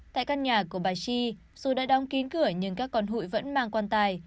tại căn nhà của bà chi dù đã đóng kín cửa nhưng các con hụi vẫn mang quan tài